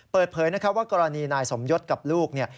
เปิดเผยนะครับว่ากรณีนายสมยศกับลูกเนี่ย